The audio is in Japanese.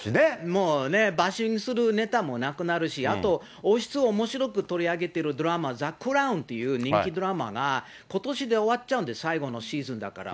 もうね、バッシングするネタもなくなるし、あと王室取り上げているドラマ、ザ・クラウンという人気ドラマが、ことしで終わっちゃうんです、最後のシーズンだから。